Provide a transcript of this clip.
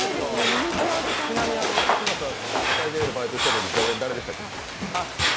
ちなみに嶋佐、サイゼリヤでバイトしてたときの常連、誰でしたっけ？